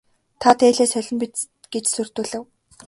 Та дээлээ солино биз гэж сүрдүүлэв.